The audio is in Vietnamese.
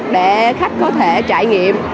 để khách có thể trải nghiệm